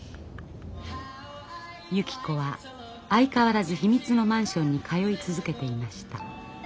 ゆき子は相変わらず秘密のマンションに通い続けていました。